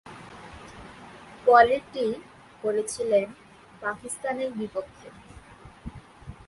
পরেরটি করেছিলেন পাকিস্তানের বিপক্ষে।